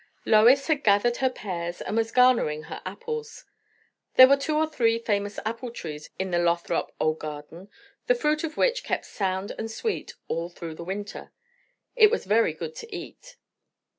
Lois had gathered in her pears, and was garnering her apples. There were two or three famous apple trees in the Lothrop old garden, the fruit of which kept sound and sweet all through the winter, and was very good to eat.